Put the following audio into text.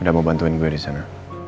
udah mau bantuin gue disana